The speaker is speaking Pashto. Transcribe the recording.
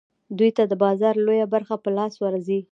دوی ته د بازار لویه برخه په لاس ورځي